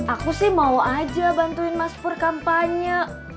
aku sih mau aja bantuin mas fur kampanye